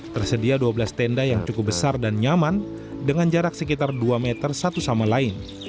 tersedia dua belas tenda yang cukup besar dan nyaman dengan jarak sekitar dua meter satu sama lain